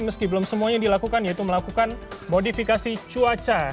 meski belum semuanya dilakukan yaitu melakukan modifikasi cuaca